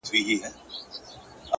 سیاه پوسي ده. ماسوم یې ژاړي.